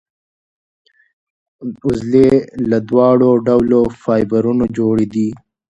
عضلې له دواړو ډولو فایبرونو جوړې دي.